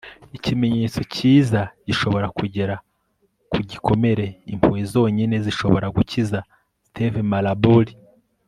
ikimenyetso cyiza gishobora kugera ku gikomere impuhwe zonyine zishobora gukiza. - steve maraboli